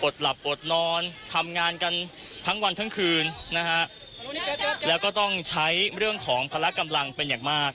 หลับอดนอนทำงานกันทั้งวันทั้งคืนนะฮะแล้วก็ต้องใช้เรื่องของพละกำลังเป็นอย่างมาก